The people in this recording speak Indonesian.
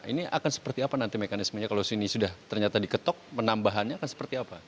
ini akan seperti apa nanti mekanismenya kalau ini sudah ternyata diketok penambahannya akan seperti apa